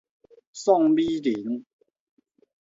宋美齡